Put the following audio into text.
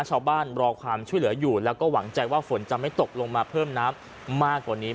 รอความช่วยเหลืออยู่แล้วก็หวังใจว่าฝนจะไม่ตกลงมาเพิ่มน้ำมากกว่านี้